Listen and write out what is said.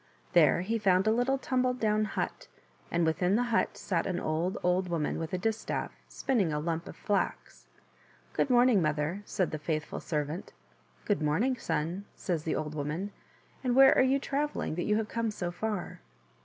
There he found a little tumbled down hut, and within the hut sat an old, old woman with a distaff, spinning a lump of flax. " Good morning, mother," said the faithful servant. " Good morning, son," says the old woman, " and where are you travel ling that you have come so far?"